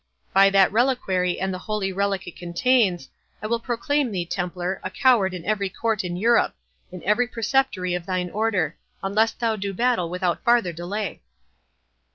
By that reliquary and the holy relic it contains, I will proclaim thee, Templar, a coward in every court in Europe—in every Preceptory of thine Order—unless thou do battle without farther delay."